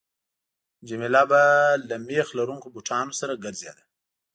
جميله به له میخ لرونکو بوټانو سره ګرځېده.